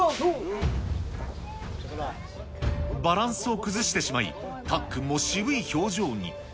バランスを崩してしまい、たっくんも渋い表情に。